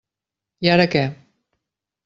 I ara què?